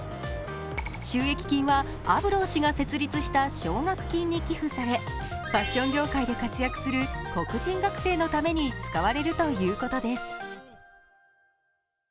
収益金はアブロー氏が設立した奨学金に寄付され、ファッション業界で活躍する黒人学生のために使われるということです。